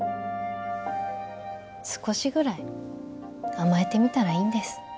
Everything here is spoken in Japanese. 少しぐらい甘えてみたらいいんです。